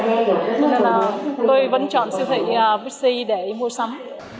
nên là tôi vẫn chọn siêu thị vixi để mua sắm